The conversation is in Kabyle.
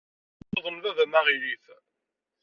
Yuḍen baba-m aɣilif.